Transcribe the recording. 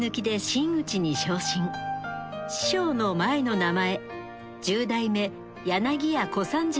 師匠の前の名前